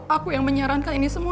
aku yang menyarankan ini semua